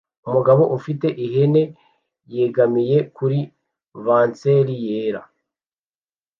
Umugabo ufite ihene yegamiye kuri vanseri yera